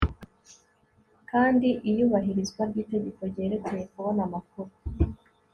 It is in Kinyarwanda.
kandi iyubahirizwa ry'itegeko ryerekeye kubona amakuru